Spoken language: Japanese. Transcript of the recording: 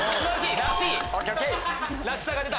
らしさが出た。